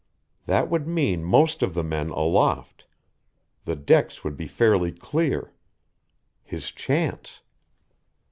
That would mean most of the men aloft.... The decks would be fairly clear. His chance....